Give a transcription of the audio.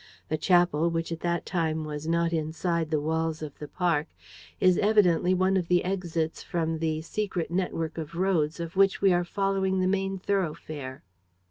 The chapel, which at that time was not inside the walls of the park, is evidently one of the exits from the secret network of roads of which we are following the main thoroughfare."